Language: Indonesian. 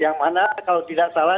yang mana kalau tidak salah